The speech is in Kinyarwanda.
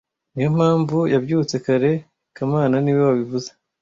Niyo mpamvu yabyutse kare kamana niwe wabivuze